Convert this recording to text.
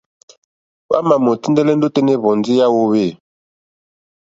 Hwámà mòtíndɛ́lɛ́ ndí ôténá ɛ̀hwɔ̀ndí yá hwōhwê.